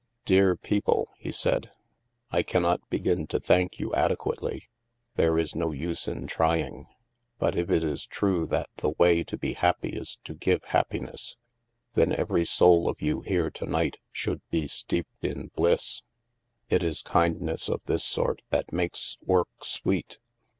" Dear people," he said, " I cannot begin to thank you adequately; there is no use in trying. But if it is true that the way to be happy is to give happi ness, then every soul of you here to night should be steeped in bliss. " It is kindness of this sort that makes work sweet.